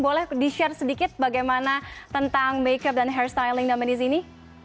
boleh di share sedikit bagaimana tentang makeup dan hairstyling nomenis ini